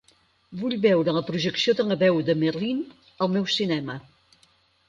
Vull veure la projecció de la Veu de Merrill al meu cinema.